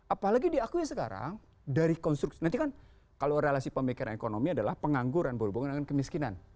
apalagi diakui sekarang dari konstruksi nanti kan kalau relasi pemikiran ekonomi adalah pengangguran berhubungan dengan kemiskinan